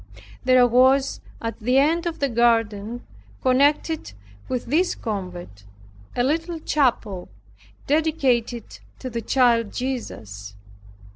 There was at the end of the garden connected with this convent, a little chapel dedicated to the child Jesus.